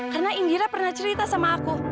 karena indira pernah cerita sama aku